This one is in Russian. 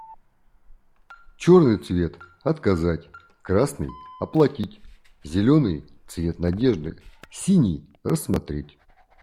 Черный цвет - "отказать", красный - "оплатить", зеленый - цвет надежды, синий - "рассмотреть".